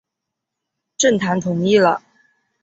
郑覃同意了。